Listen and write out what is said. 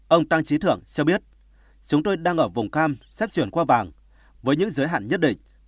ông tăng trí thưởng cho biết chúng tôi đang ở vùng cam xếp chuyển qua vàng với những giới hạn nhất định